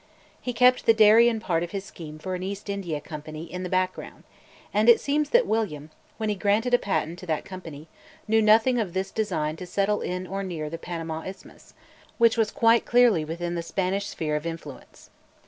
He kept the Darien part of his scheme for an East India Company in the background, and it seems that William, when he granted a patent to that company, knew nothing of this design to settle in or near the Panama isthmus, which was quite clearly within the Spanish sphere of influence.